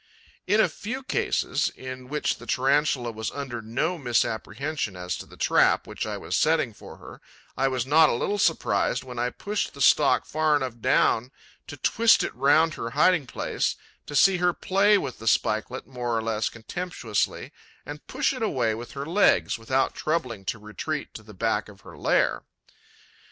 'In a few cases, in which the Tarantula was under no misapprehension as to the trap which I was setting for her, I was not a little surprised, when I pushed the stalk far enough down to twist it round her hiding place, to see her play with the spikelet more or less contemptuously and push it away with her legs, without troubling to retreat to the back of her lair.